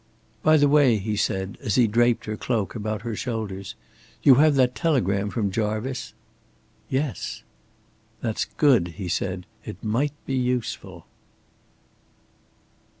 "By the way," he said, as he draped her cloak about her shoulders. "You have that telegram from Jarvice?" "Yes." "That's good," he said. "It might be useful."